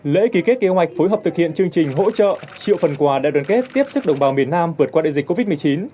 lễ ký kết kế hoạch phối hợp thực hiện chương trình hỗ trợ triệu phần quà đại đoàn kết tiếp sức đồng bào miền nam vượt qua đại dịch covid một mươi chín